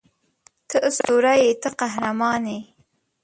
ته اسطوره یې ته قهرمان یې